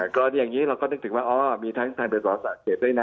ก็อย่างนี้เราก็นึกถึงว่ามีทางเดินปัสสาวะอักเสบด้วยนะ